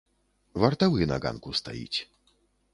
Вартавы на ганку стаіць.